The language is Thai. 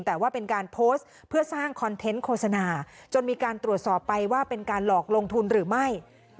แต่ว่าเป็นการโพสต์เพื่อสร้างคอนเทนต์โฆษณาจนมีการตรวจสอบไปว่าเป็นการหลอกลงทุนหรือไม่